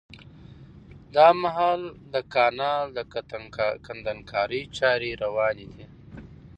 دا مهال د کانال د کندنکارۍ چاري رواني دي